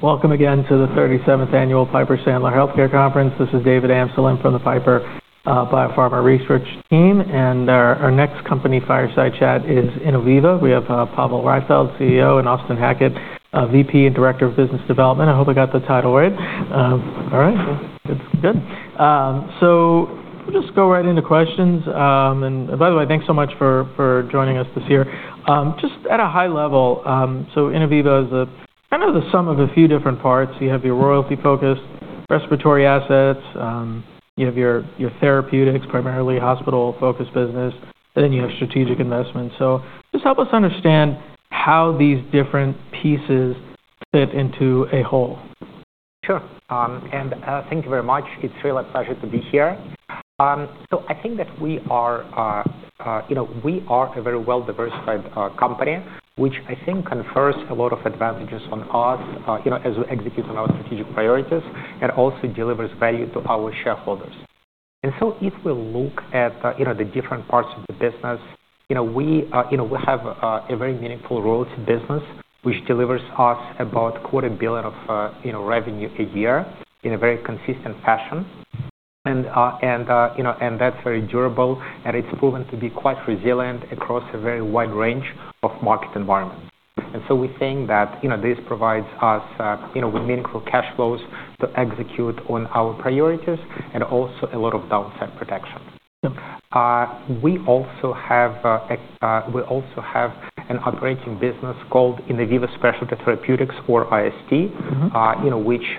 Welcome again to the 37th Annual Piper Sandler Healthcare Conference. This is David Amsellem from the Piper BioPharma Research Team, and our next company, Fireside Chat, is Innoviva. We have Pavel Raifeld, CEO, and Austin Hackett, VP and Director of Business Development. I hope I got the title right. All right, that's good. So we'll just go right into questions. And by the way, thanks so much for joining us this year. Just at a high level, so Innoviva is kind of the sum of a few different parts. You have your royalty-focused respiratory assets, you have your therapeutics, primarily hospital-focused business, and then you have strategic investments. So just help us understand how these different pieces fit into a whole. Sure, and thank you very much. It's really a pleasure to be here, so I think that we are a very well-diversified company, which I think confers a lot of advantages on us as we execute on our strategic priorities and also delivers value to our shareholders. If we look at the different parts of the business, we have a very meaningful royalty business, which delivers us about $250 million of revenue a year in a very consistent fashion. That's very durable, and it's proven to be quite resilient across a very wide range of market environments. We think that this provides us with meaningful cash flows to execute on our priorities and also a lot of downside protection. We also have an operating business called Innoviva Specialty Therapeutics, or IST, which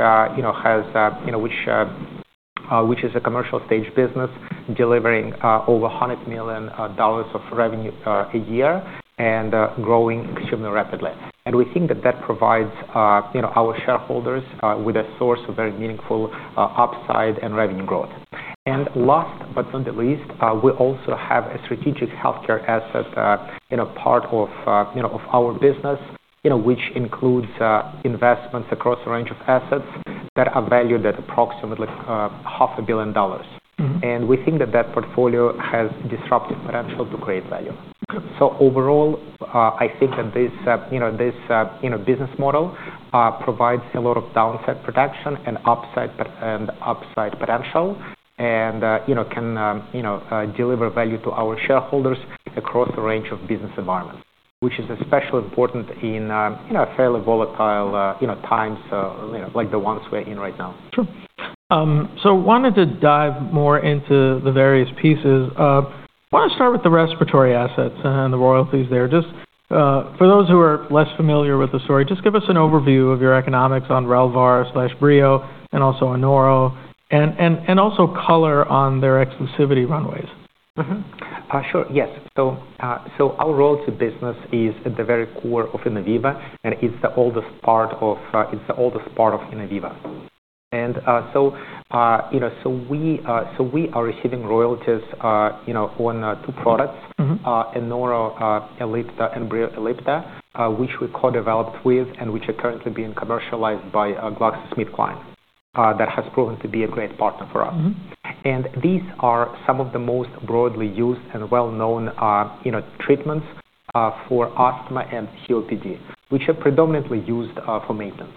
is a commercial-stage business delivering over $100 million of revenue a year and growing extremely rapidly, and we think that that provides our shareholders with a source of very meaningful upside and revenue growth. Last but not the least, we also have a strategic healthcare asset part of our business, which includes investments across a range of assets that are valued at approximately $500 million. We think that that portfolio has disruptive potential to create value. Overall, I think that this business model provides a lot of downside protection and upside potential and can deliver value to our shareholders across a range of business environments, which is especially important in fairly volatile times like the ones we're in right now. Sure. So I wanted to dive more into the various pieces. I want to start with the respiratory assets and the royalties there. Just for those who are less familiar with the story, just give us an overview of your economics on Relvar/Breo and also Anoro, and also color on their exclusivity runways. Sure. Yes. So our royalty business is at the very core of Innoviva, and it's the oldest part of Innoviva. And so we are receiving royalties on two products, Anoro Ellipta and Breo Ellipta, which we co-developed with and which are currently being commercialized by GlaxoSmithKline, that has proven to be a great partner for us. And these are some of the most broadly used and well-known treatments for asthma and COPD, which are predominantly used for maintenance.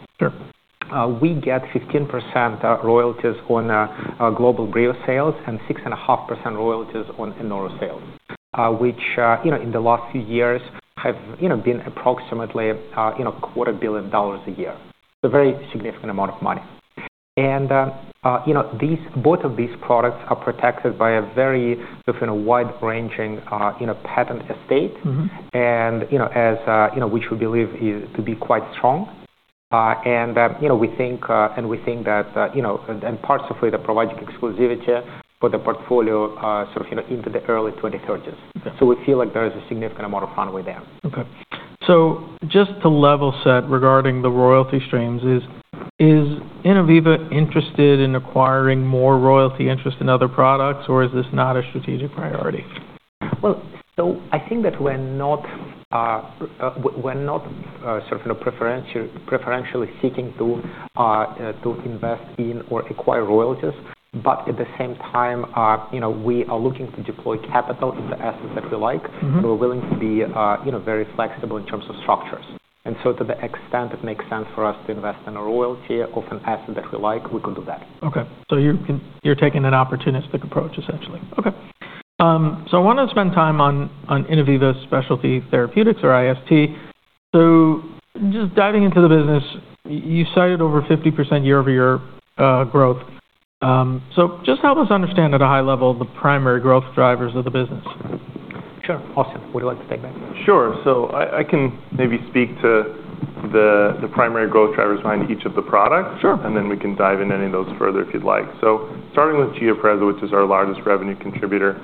We get 15% royalties on global Breo sales and 6.5% royalties on Anoro sales, which in the last few years have been approximately $250 million a year. It's a very significant amount of money. And both of these products are protected by a very wide-ranging patent estate, which we believe to be quite strong. We think that, and parts of it are providing exclusivity for the portfolio into the early 2030s. We feel like there is a significant amount of runway there. Okay. So just to level set regarding the royalty streams, is Innoviva interested in acquiring more royalty interest in other products, or is this not a strategic priority? Well, so I think that we're not sort of preferentially seeking to invest in or acquire royalties, but at the same time, we are looking to deploy capital into assets that we like, and we're willing to be very flexible in terms of structures. And so to the extent it makes sense for us to invest in a royalty of an asset that we like, we could do that. Okay. So you're taking an opportunistic approach, essentially. Okay. So I want to spend time on Innoviva Specialty Therapeutics, or IST. So just diving into the business, you cited over 50% year-over-year growth. So just help us understand at a high level the primary growth drivers of the business. Sure. Austin, would you like to take that? Sure. So I can maybe speak to the primary growth drivers behind each of the products, and then we can dive in any of those further if you'd like. Starting with Giapreza, which is our largest revenue contributor,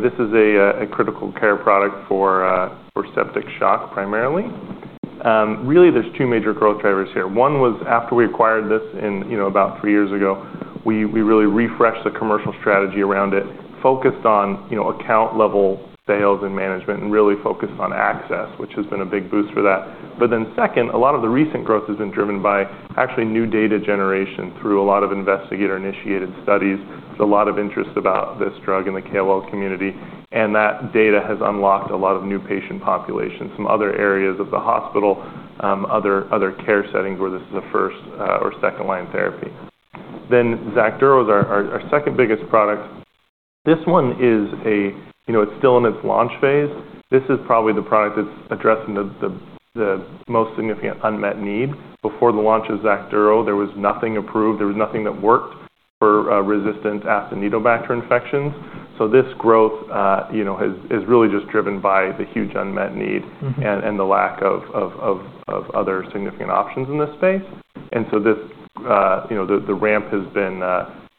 this is a critical care product for septic shock primarily. Really, there's two major growth drivers here. One was after we acquired this about three years ago, we really refreshed the commercial strategy around it, focused on account-level sales and management, and really focused on access, which has been a big boost for that. But then second, a lot of the recent growth has been driven by actually new data generation through a lot of investigator-initiated studies. There's a lot of interest about this drug in the KOL community, and that data has unlocked a lot of new patient populations, some other areas of the hospital, other care settings where this is a first or second-line therapy. Then Xacduro is our second biggest product. This one is. It's still in its launch phase. This is probably the product that's addressing the most significant unmet need. Before the launch of Xacduro, there was nothing approved. There was nothing that worked for resistant Acinetobacter infections. So this growth is really just driven by the huge unmet need and the lack of other significant options in this space. And so the ramp has been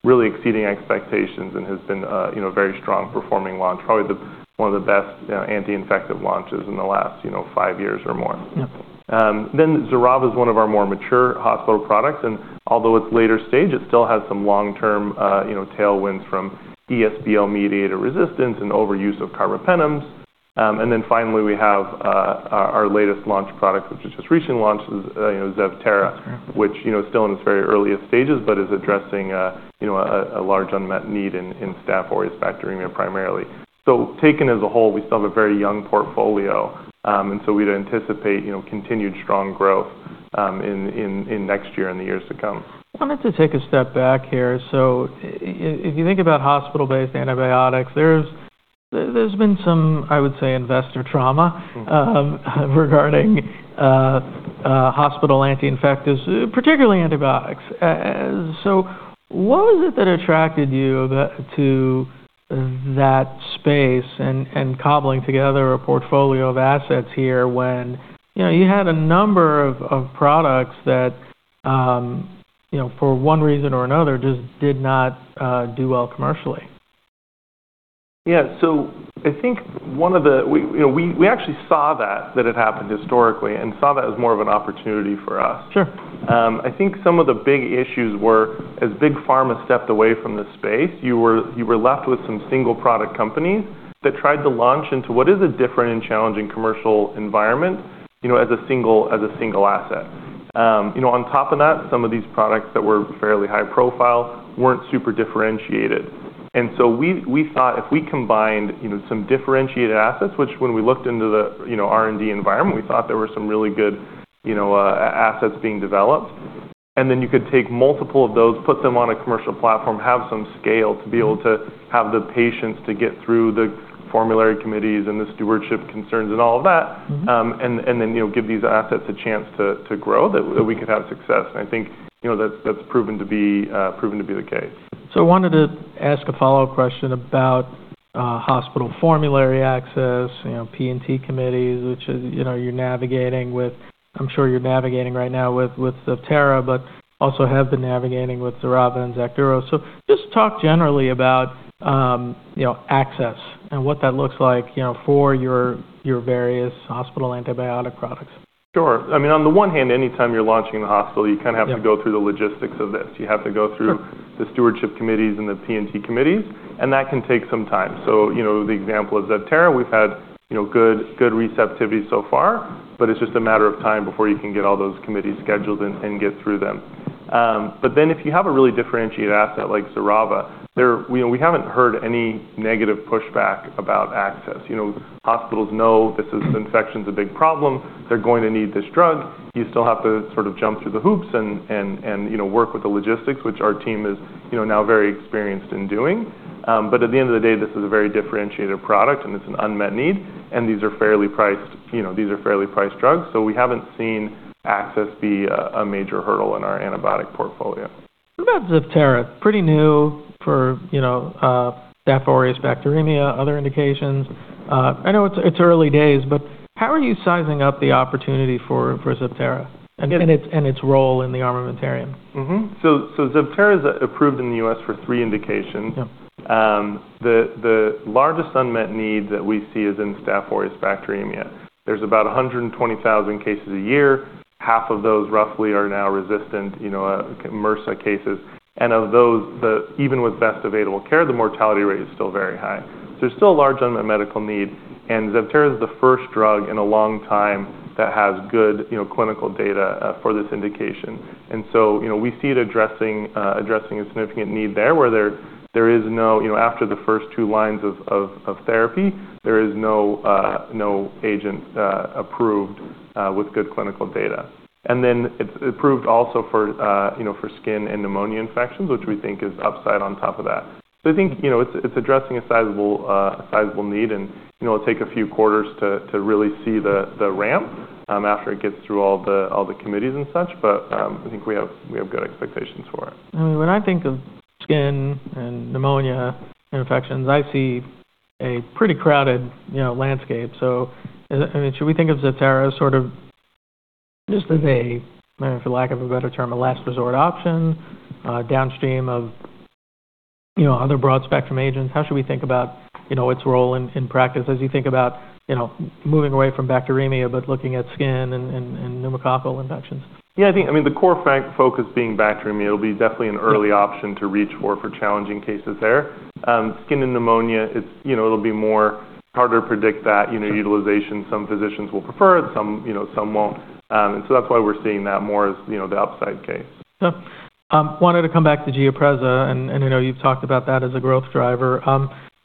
really exceeding expectations and has been a very strong performing launch, probably one of the best anti-infective launches in the last five years or more. Xerava is one of our more mature hospital products. Although it's later stage, it still has some long-term tailwinds from ESBL-mediated resistance and overuse of carbapenems. Finally, we have our latest launch product, which has just recently launched, Zevtera, which is still in its very earliest stages but is addressing a large unmet need in Staph aureus bacteremia primarily. Taken as a whole, we still have a very young portfolio, and so we'd anticipate continued strong growth in next year and the years to come. I wanted to take a step back here. So if you think about hospital-based antibiotics, there's been some, I would say, investor trauma regarding hospital anti-infectives, particularly antibiotics. So what was it that attracted you to that space and cobbling together a portfolio of assets here when you had a number of products that, for one reason or another, just did not do well commercially? Yeah. So I think one of the, we actually saw that it happened historically and saw that as more of an opportunity for us. I think some of the big issues were, as big pharma stepped away from the space, you were left with some single-product companies that tried to launch into what is a different and challenging commercial environment as a single asset. On top of that, some of these products that were fairly high-profile weren't super differentiated. And so we thought if we combined some differentiated assets, which when we looked into the R&D environment, we thought there were some really good assets being developed, and then you could take multiple of those, put them on a commercial platform, have some scale to be able to have the patience to get through the formulary committees and the stewardship concerns and all of that, and then give these assets a chance to grow, that we could have success. And I think that's proven to be the case. I wanted to ask a follow-up question about hospital formulary access, P&T committees, which you're navigating with. I'm sure you're navigating right now with Zevtera, but also have been navigating with Xerava and Xacduro. Just talk generally about access and what that looks like for your various hospital antibiotic products. Sure. I mean, on the one hand, anytime you're launching in the hospital, you kind of have to go through the logistics of this. You have to go through the stewardship committees and the P&T committees, and that can take some time. So the example of Zevtera, we've had good receptivity so far, but it's just a matter of time before you can get all those committees scheduled and get through them. But then if you have a really differentiated asset like Xerava, we haven't heard any negative pushback about access. Hospitals know this infection is a big problem. They're going to need this drug. You still have to sort of jump through the hoops and work with the logistics, which our team is now very experienced in doing. But at the end of the day, this is a very differentiated product, and it's an unmet need, and these are fairly priced drugs. So we haven't seen access be a major hurdle in our antibiotic portfolio. What about Zevtera? Pretty new for Staph aureus bacteremia, other indications. I know it's early days, but how are you sizing up the opportunity for Zevtera and its role in the armamentarium? Zevtera is approved in the U.S. for three indications. The largest unmet need that we see is in Staph aureus bacteremia. There's about 120,000 cases a year. Half of those roughly are now resistant MRSA cases. And of those, even with best available care, the mortality rate is still very high. So there's still a large unmet medical need, and Zevtera is the first drug in a long time that has good clinical data for this indication. And so we see it addressing a significant need there where there is no—after the first two lines of therapy, there is no agent approved with good clinical data. And then it's approved also for skin and pneumonia infections, which we think is upside on top of that. So I think it's addressing a sizable need, and it'll take a few quarters to really see the ramp after it gets through all the committees and such, but I think we have good expectations for it. I mean, when I think of skin and pneumonia infections, I see a pretty crowded landscape. So I mean, should we think of Zevtera sort of just as a, for lack of a better term, a last resort option downstream of other broad-spectrum agents? How should we think about its role in practice as you think about moving away from bacteremia but looking at skin and pneumococcal infections? Yeah. I mean, the core focus being bacteremia, it'll be definitely an early option to reach for for challenging cases there. Skin and pneumonia, it'll be more harder to predict that utilization. Some physicians will prefer, some won't. And so that's why we're seeing that more as the upside case. Yeah. I wanted to come back to Giapreza, and I know you've talked about that as a growth driver.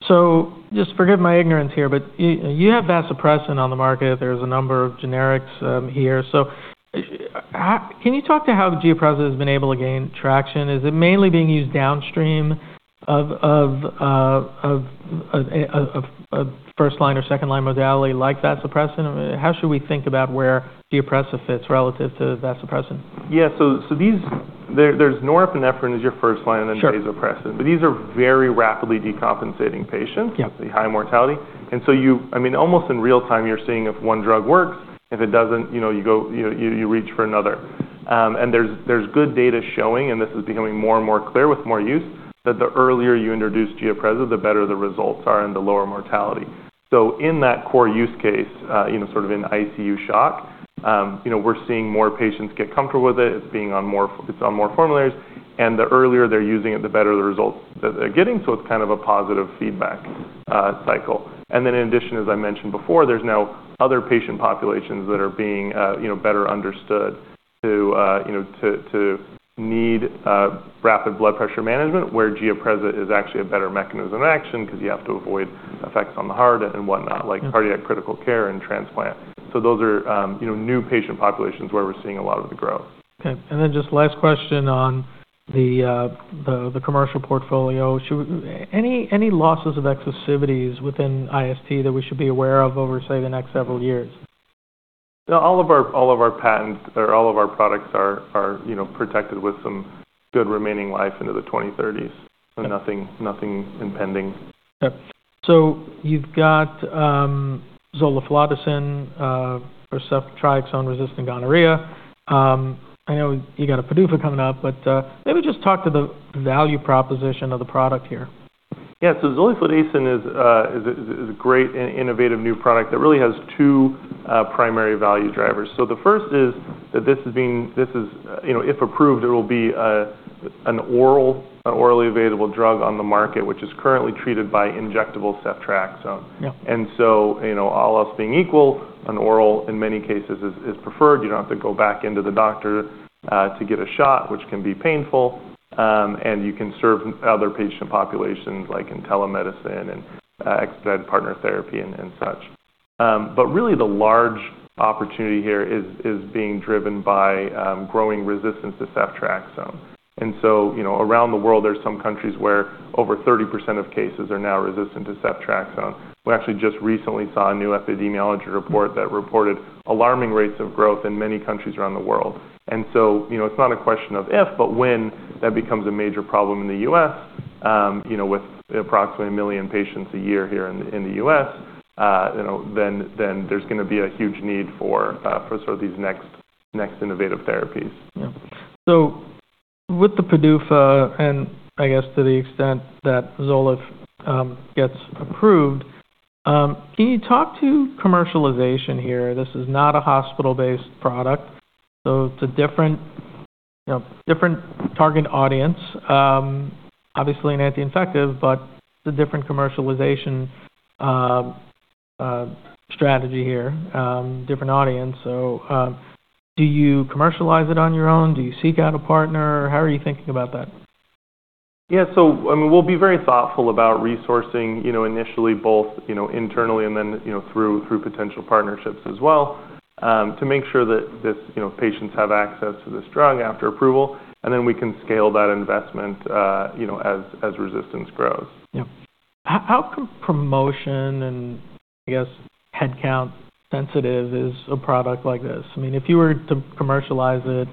So just forgive my ignorance here, but you have vasopressin on the market. There's a number of generics here. So can you talk to how Giapreza has been able to gain traction? Is it mainly being used downstream of a first-line or second-line modality like vasopressin? How should we think about where Giapreza fits relative to vasopressin? Yeah. So there's norepinephrine as your first line, and then vasopressin. But these are very rapidly decompensating patients, the high mortality. And so I mean, almost in real time, you're seeing if one drug works. If it doesn't, you reach for another. And there's good data showing, and this is becoming more and more clear with more use, that the earlier you introduce Giapreza, the better the results are and the lower mortality. So in that core use case, sort of in ICU shock, we're seeing more patients get comfortable with it. It's on more formularies, and the earlier they're using it, the better the results that they're getting. So it's kind of a positive feedback cycle. And then in addition, as I mentioned before, there's now other patient populations that are being better understood to need rapid blood pressure management, where Giapreza is actually a better mechanism of action because you have to avoid effects on the heart and whatnot, like cardiac critical care and transplant. So those are new patient populations where we're seeing a lot of the growth. Okay. And then just last question on the commercial portfolio. Any losses of exclusivities within IST that we should be aware of over, say, the next several years? No. All of our patents or all of our products are protected with some good remaining life into the 2030s and nothing impending. Okay. So you've got Zoliflodacin or ceftriaxone-resistant gonorrhea. I know you got a PDUFA coming up, but maybe just talk to the value proposition of the product here. Yeah. So zoliflodacin is a great and innovative new product that really has two primary value drivers. So the first is that this is being, if approved, it will be an orally available drug on the market, which is currently treated by injectable ceftriaxone. And so all else being equal, an oral in many cases is preferred. You don't have to go back into the doctor to get a shot, which can be painful, and you can serve other patient populations like in telemedicine and expedited partner therapy and such. But really, the large opportunity here is being driven by growing resistance to ceftriaxone. And so around the world, there are some countries where over 30% of cases are now resistant to ceftriaxone. We actually just recently saw a new epidemiology report that reported alarming rates of growth in many countries around the world. And so it's not a question of if, but when that becomes a major problem in the U.S. with approximately a million patients a year here in the U.S., then there's going to be a huge need for sort of these next innovative therapies. Yeah. So with the PDUFA and I guess to the extent that zoliflodacin gets approved, can you talk to commercialization here? This is not a hospital-based product, so it's a different target audience, obviously an anti-infective, but it's a different commercialization strategy here, different audience. So do you commercialize it on your own? Do you seek out a partner? How are you thinking about that? Yeah. So, I mean, we'll be very thoughtful about resourcing initially both internally and then through potential partnerships as well to make sure that patients have access to this drug after approval, and then we can scale that investment as resistance grows. Yeah. How can promotion and, I guess, headcount sensitive is a product like this? I mean, if you were to commercialize it,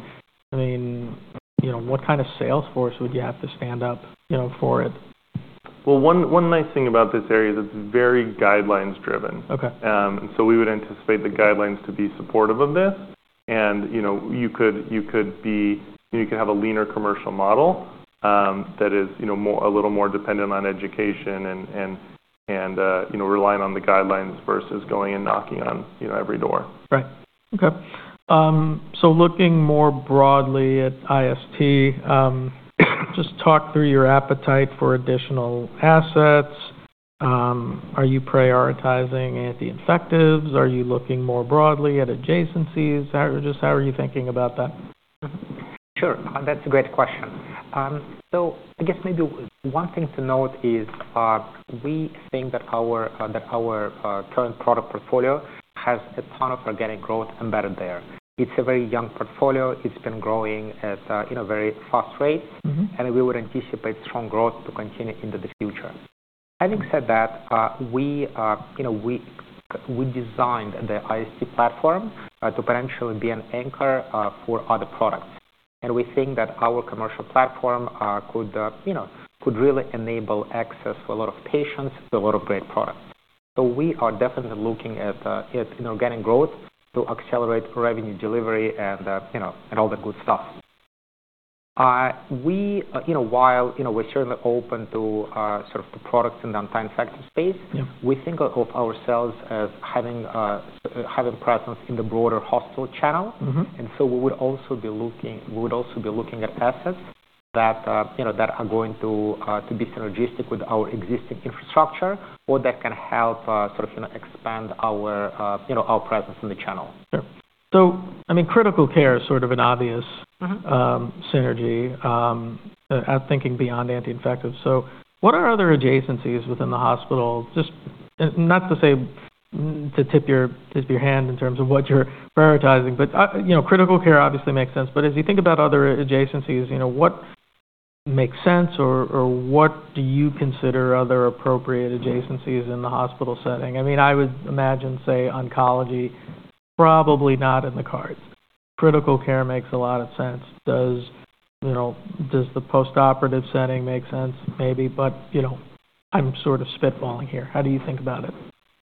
I mean, what kind of sales force would you have to stand up for it? One nice thing about this area is it's very guidelines-driven. So we would anticipate the guidelines to be supportive of this, and you could have a leaner commercial model that is a little more dependent on education and relying on the guidelines versus going and knocking on every door. Right. Okay. So looking more broadly at IST, just talk through your appetite for additional assets. Are you prioritizing anti-infectives? Are you looking more broadly at adjacencies? Just how are you thinking about that? Sure. That's a great question. So I guess maybe one thing to note is we think that our current product portfolio has a ton of organic growth embedded there. It's a very young portfolio. It's been growing at a very fast rate, and we would anticipate strong growth to continue into the future. Having said that, we designed the IST platform to potentially be an anchor for other products, and we think that our commercial platform could really enable access for a lot of patients, a lot of great products. So we are definitely looking at organic growth to accelerate revenue delivery and all that good stuff. While we're certainly open to sort of products in the anti-infective space, we think of ourselves as having presence in the broader hospital channel. We would also be looking at assets that are going to be synergistic with our existing infrastructure or that can help sort of expand our presence in the channel. Yeah. So I mean, critical care is sort of an obvious synergy thinking beyond anti-infective. So what are other adjacencies within the hospital? Just not to say to tip your hand in terms of what you're prioritizing, but critical care obviously makes sense. But as you think about other adjacencies, what makes sense or what do you consider other appropriate adjacencies in the hospital setting? I mean, I would imagine, say, oncology, probably not in the cards. Critical care makes a lot of sense. Does the post-operative setting make sense? Maybe, but I'm sort of spitballing here. How do you think about it?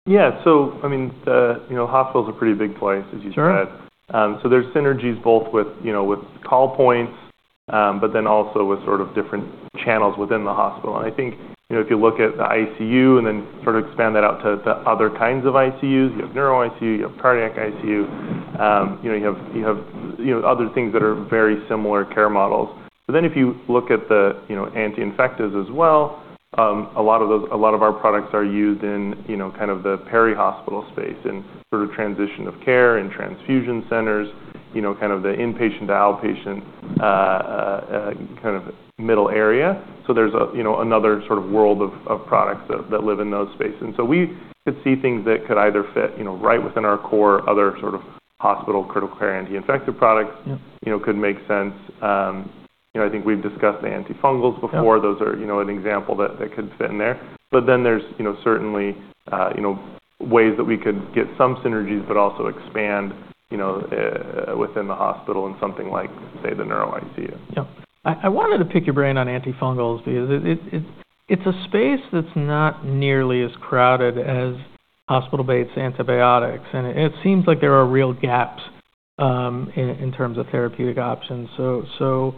Yeah. So I mean, hospital is a pretty big play, as you said. So there's synergies both with call points, but then also with sort of different channels within the hospital. And I think if you look at the ICU and then sort of expand that out to the other kinds of ICUs, you have neuro ICU, you have cardiac ICU, you have other things that are very similar care models. But then if you look at the anti-infectives as well, a lot of our products are used in kind of the peri-hospital space and sort of transition of care and infusion centers, kind of the inpatient to outpatient kind of middle area. So there's another sort of world of products that live in those spaces. And so we could see things that could either fit right within our core. Other sort of hospital critical care anti-infective products could make sense. I think we've discussed the antifungals before. Those are an example that could fit in there. But then there's certainly ways that we could get some synergies, but also expand within the hospital in something like, say, the neuro ICU. Yeah. I wanted to pick your brain on antifungals because it's a space that's not nearly as crowded as hospital-based antibiotics, and it seems like there are real gaps in terms of therapeutic options. So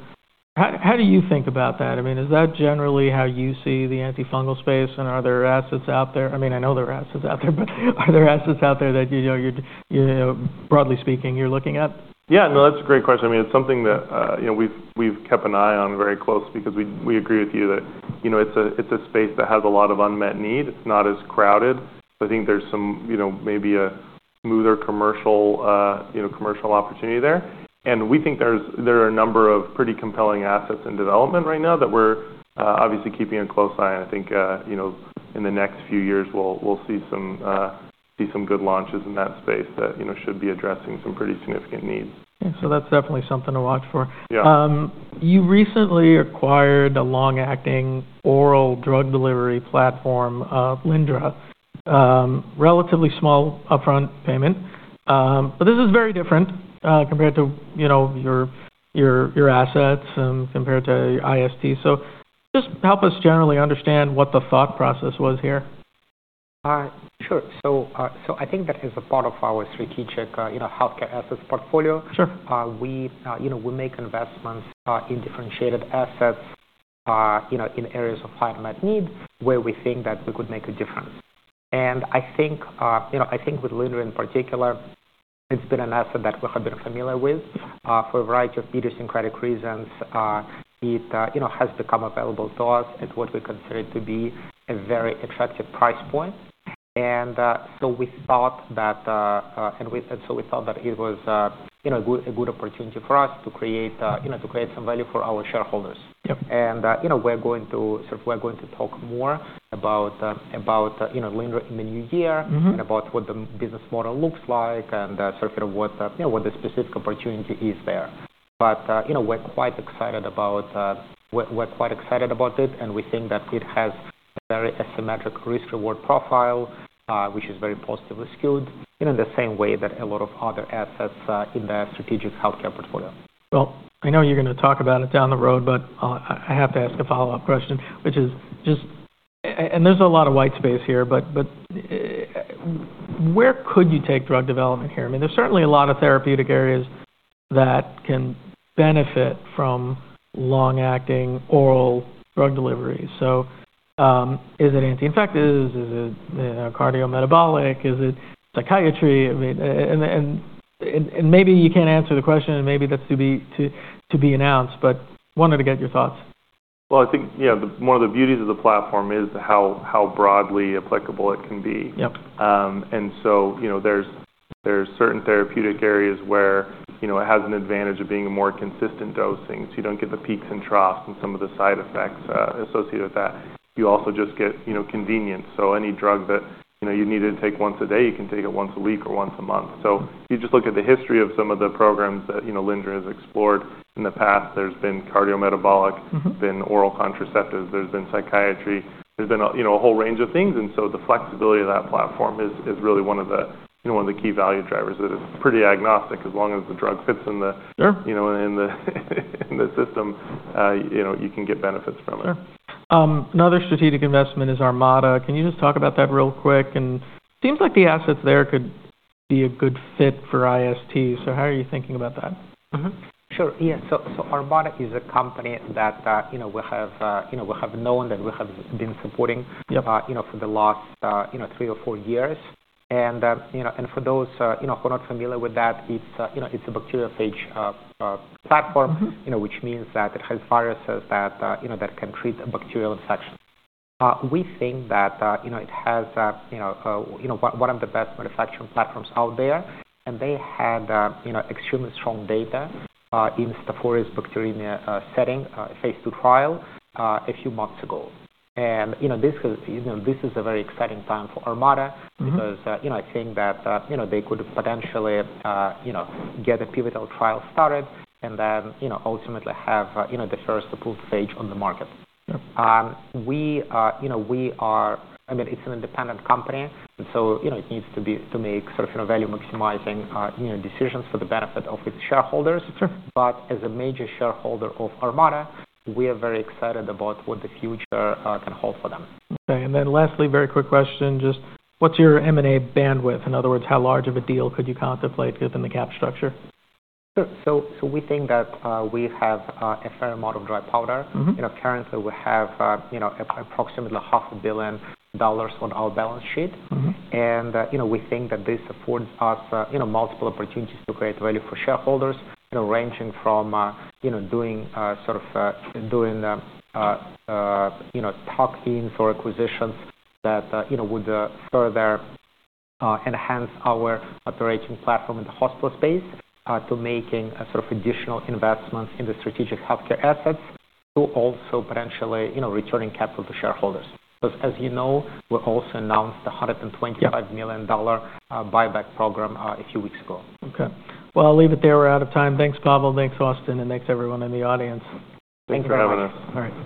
how do you think about that? I mean, is that generally how you see the antifungal space, and are there assets out there? I mean, I know there are assets out there, but are there assets out there that broadly speaking, you're looking at? Yeah. No, that's a great question. I mean, it's something that we've kept an eye on very close because we agree with you that it's a space that has a lot of unmet need. It's not as crowded. I think there's maybe a smoother commercial opportunity there. And we think there are a number of pretty compelling assets in development right now that we're obviously keeping a close eye on. I think in the next few years, we'll see some good launches in that space that should be addressing some pretty significant needs. Yeah. So that's definitely something to watch for. You recently acquired a long-acting oral drug delivery platform, Lyndra, relatively small upfront payment. But this is very different compared to your assets and compared to IST. So just help us generally understand what the thought process was here. Sure. I think that as a part of our strategic healthcare assets portfolio, we make investments in differentiated assets in areas of high-to-mid need where we think that we could make a difference. I think with Lyndra in particular, it's been an asset that we have been familiar with for a variety of idiosyncratic reasons. It has become available to us at what we consider to be a very attractive price point. We thought that it was a good opportunity for us to create some value for our shareholders. We're going to talk more about Lyndra in the new year and about what the business model looks like and sort of what the specific opportunity is there. But we're quite excited about it, and we think that it has a very asymmetric risk-reward profile, which is very positively skewed in the same way that a lot of other assets in the strategic healthcare portfolio. I know you're going to talk about it down the road, but I have to ask a follow-up question, which is just - and there's a lot of white space here - but where could you take drug development here? I mean, there's certainly a lot of therapeutic areas that can benefit from long-acting oral drug delivery. So is it anti-infective? Is it cardiometabolic? Is it psychiatry? I mean, and maybe you can't answer the question, and maybe that's to be announced, but wanted to get your thoughts. I think one of the beauties of the platform is how broadly applicable it can be. And there's certain therapeutic areas where it has an advantage of being a more consistent dosing. You don't get the peaks and troughs and some of the side effects associated with that. You also just get convenience. Any drug that you needed to take once a day, you can take it once a week or once a month. You just look at the history of some of the programs that Lyndra has explored in the past. There's been cardiometabolic, there's been oral contraceptives, there's been psychiatry, there's been a whole range of things. And the flexibility of that platform is really one of the key value drivers. It's pretty agnostic. As long as the drug fits in the system, you can get benefits from it. Sure. Another strategic investment is Armata. Can you just talk about that real quick? And it seems like the assets there could be a good fit for IST. So how are you thinking about that? Sure. Yeah. So Armata is a company that we have known that we have been supporting for the last three or four years. And for those who are not familiar with that, it's a bacterial phage platform, which means that it has viruses that can treat a bacterial infection. We think that it has one of the best manufacturing platforms out there, and they had extremely strong data in Staphylococcus aureus bacteremia setting, a phase II trial a few months ago. And this is a very exciting time for Armata because I think that they could potentially get a pivotal trial started and then ultimately have the first approved phage on the market. We are - I mean, it's an independent company, and so it needs to make sort of value-maximizing decisions for the benefit of its shareholders. But as a major shareholder of Armata, we are very excited about what the future can hold for them. Okay. And then lastly, very quick question, just what's your M&A bandwidth? In other words, how large of a deal could you contemplate given the cap structure? Sure. So we think that we have a fair amount of dry powder. Currently, we have approximately $500 million on our balance sheet, and we think that this affords us multiple opportunities to create value for shareholders ranging from doing sort of tuck-ins or acquisitions that would further enhance our operating platform in the hospital space to making sort of additional investments in the strategic healthcare assets to also potentially returning capital to shareholders. As you know, we also announced a $125 million buyback program a few weeks ago. Okay. I'll leave it there. We're out of time. Thanks, Pavel. Thanks, Austin, and thanks, everyone in the audience. Thanks for having us. All right.